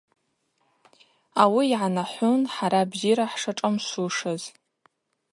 Ауи йгӏанахӏвун хӏара бзира хӏшашӏамшвушыз.